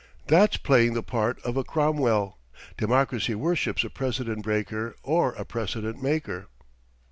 That's playing the part of a Cromwell. Democracy worships a precedent breaker or a precedent maker."